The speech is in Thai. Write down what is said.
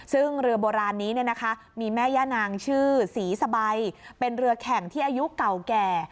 ซึ่งเรือโบราณนี้มีแม่ย่านางชื่อศรีสะใบเป็นเรือแข่งที่อายุเก่าแก่